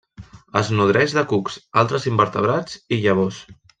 Es nodreix de cucs, altres invertebrats i llavors.